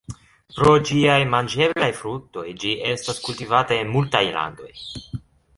Pro ĝiaj manĝeblaj fruktoj ĝi estas kultivata en multaj landoj.